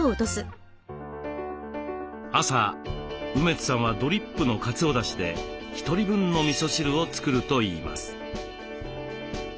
朝梅津さんはドリップのかつおだしで１人分のみそ汁を作るといいます。